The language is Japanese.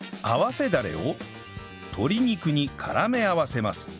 合わせダレを鶏肉に絡め合わせます